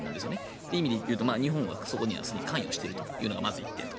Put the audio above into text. そういう意味でいうと日本はそこにすでに関与しているのが１点と。